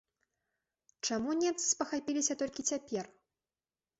Чаму немцы спахапіліся толькі цяпер?